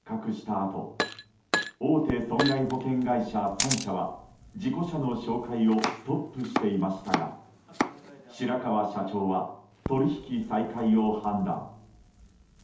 あと大手損害保険会社３社は事故車の紹介をストップしていましたが白川社長は取引再開を判断。